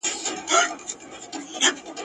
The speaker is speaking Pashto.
مرګه یو ګړی مو پرېږده چي هوسا سو !.